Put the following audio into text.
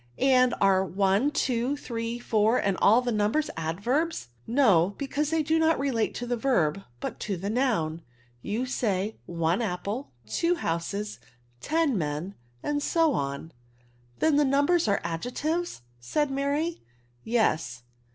And ajpe one, two, thtee^ four, and all the numbers, adverbs I '"'^ No } beeause they do not relate to the Verb, but to the noim i you say, ' one i^ple, two houses, ten men/ and so on/' *' Then the numbers are adjectiyes ?" said Mary. *^ Yes.